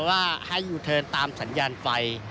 ว่าให้ยูเทิร์นตามสัญญาณไฟ